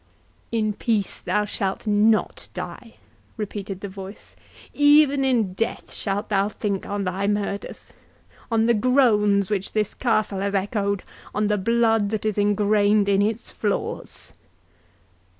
"In peace thou shalt NOT die," repeated the voice; "even in death shalt thou think on thy murders—on the groans which this castle has echoed—on the blood that is engrained in its floors!"